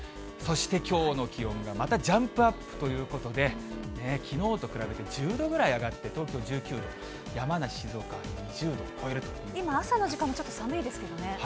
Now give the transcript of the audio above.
そしてきょうの気温はまたジャンプアップということで、きのうと比べて１０度ぐらい上がって、東京１９度、山梨、静岡は２０度今、朝の時間もちょっと寒いですけどね。